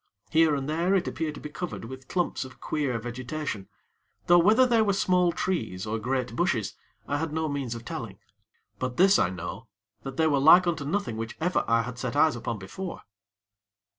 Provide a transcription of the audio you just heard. Here and there it appeared to be covered with clumps of queer vegetation; though whether they were small trees or great bushes, I had no means of telling; but this I know, that they were like unto nothing which ever I had set eyes upon before.